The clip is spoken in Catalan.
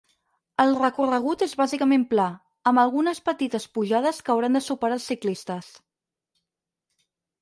El recorregut és bàsicament pla, amb algunes petites pujades que hauran de superar els ciclistes.